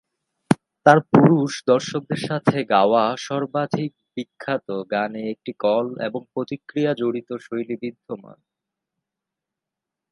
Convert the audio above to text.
তার পুরুষ দর্শকদের সাথে গাওয়া সর্বাধিক বিখ্যাত গানে একটি কল এবং প্রতিক্রিয়া জড়িত-শৈলী বিদ্যমান।